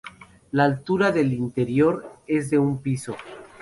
La altura del interior es de un piso.